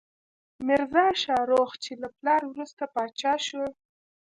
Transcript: میرزا شاهرخ، چې له پلار وروسته پاچا شو.